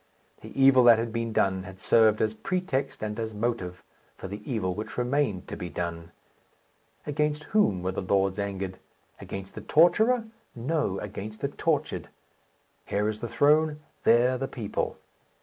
The evil that had been done had served as pretext and as motive for the evil which remained to be done. Against whom were the lords angered? Against the torturer? No; against the tortured. Here is the throne; there, the people.